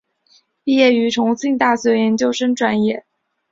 毕业于重庆大学研究生专业。